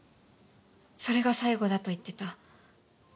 それが最後だと言ってた。